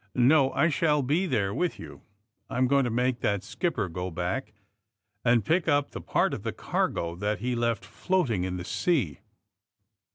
'^No; I shall be there with you. I'm going to make that skipper go back and pick up the part of the cargo that he left floating in the sea.